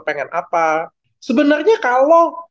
pengen apa sebenarnya kalau